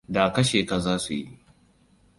Da kashe ka zasu yi.